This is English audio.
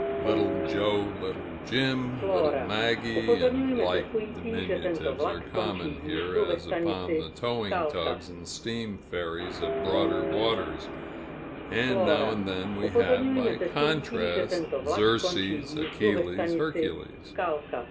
"Little Joe," "Little Jim," "Little Maggie," and like diminutives, are common here, as upon the towing tugs and steam ferries of broader waters and now and then we have, by contrast, "Xerxes," "Achilles," "Hercules."